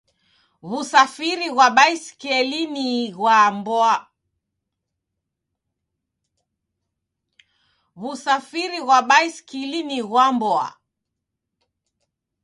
Wusafiri ghwa basikili ni ghwa mboa.